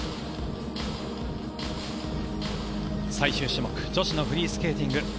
最終種目女子のフリースケーティング